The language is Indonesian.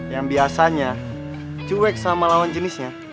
yang biasanya cuek sama lawan jenisnya